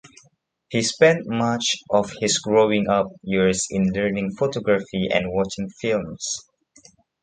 He spent much of his growing up years in learning photography and watching films.